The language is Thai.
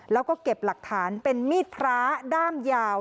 แล้วก็เก็บหลักฐานเป็นมีดพระด้ามยาว